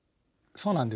そうなんです。